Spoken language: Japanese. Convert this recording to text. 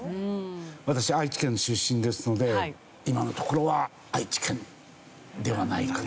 私愛知県出身ですので今のところは愛知県ではないかと。